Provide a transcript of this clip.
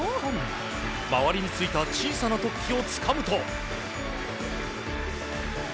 周りについた小さな突起をつかむと。